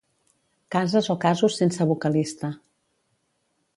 Cases o casos sense vocalista.